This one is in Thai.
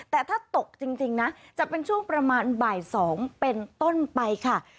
แต่ถ้าตกจริงนะจะเป็นช่วงประมาณบ่าย๒เป็นต้นไปค่ะ